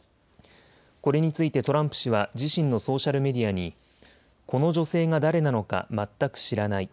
これについてトランプ氏は自身のソーシャルメディアにこの女性が誰なのか全く知らない。